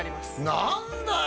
何だよ